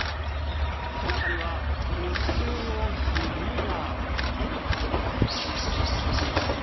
背中には無数のひびが。